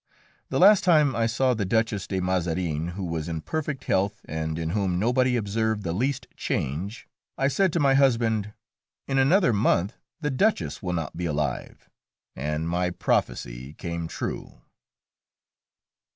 The last time I saw the Duchess de Mazarin, who was in perfect health, and in whom nobody observed the least change, I said to my husband, "In another month the Duchess will not be alive." And my prophecy came true.